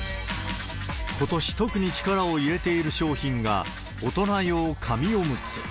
ことし、特に力を入れている商品が、大人用紙おむつ。